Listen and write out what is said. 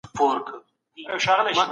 ګاونډیانو به نړیوال اصول منل.